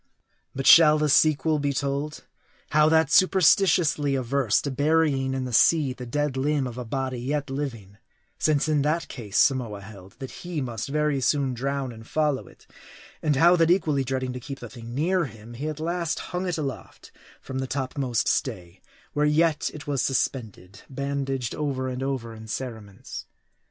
But shall the sequel, be told ? How that, superstitiously averse to burying in the sea the dead limb of a body yet living ; since in that case Samoa held, that he must very soon drown and follow it ; and how, that equally dreading to keep the thing near him, he at last hung it aloft from the topmast stay ; where yet it was suspended, bandaged over and over in cerements.